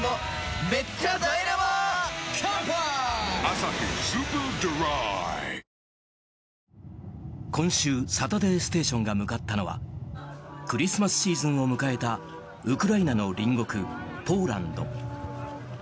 サントリー今週「サタデーステーション」が向かったのはクリスマスシーズンを迎えたウクライナの隣国、ポーランド。